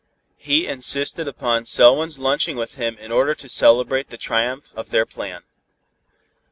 He insisted upon Selwyn's lunching with him in order to celebrate the triumph of "their" plan.